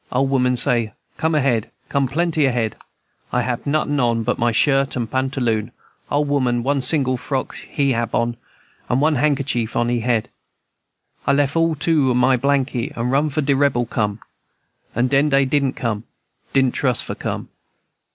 Ole woman say, 'Come ahead, come plenty ahead!' I hab notin' on but my shirt and pantaloon; ole woman one single frock he hab on, and one handkerchief on he head; I leff all two my blanket and run for de Rebel come, and den dey didn't come, didn't truss for come.